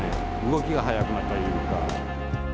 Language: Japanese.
動きが速くなったりとか。